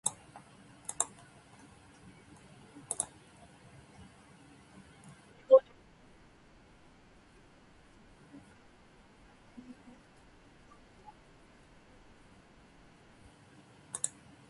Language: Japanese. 兵十は家の前に並ぶ栗を見て、こんなにも自分を気にかける者がいるのかと胸が熱くなりました。